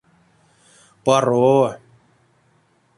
Паро!